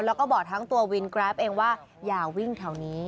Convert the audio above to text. แล้วก็บอกทั้งตัววินแกรปเองว่าอย่าวิ่งแถวนี้